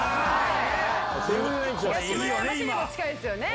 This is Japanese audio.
東村山市にも近いですよね